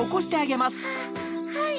はい。